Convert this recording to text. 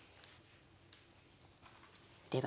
では。